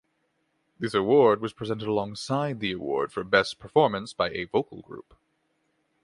This award was presented alongside the award for Best Performance by a Vocal Group.